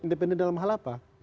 independen dalam hal apa